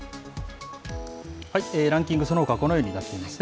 ランキング、そのほかこのようになってますね。